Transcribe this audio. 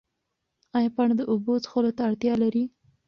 ایا پاڼه د اوبو څښلو ته اړتیا لري؟